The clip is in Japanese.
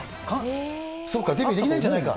そうか、デビューできないんじゃないかって。